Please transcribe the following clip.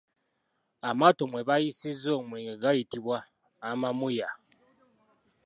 Amaato mwe bayiisizza omwenge gayitibwa amamuya.